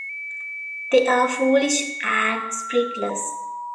They are foolish and spiritless.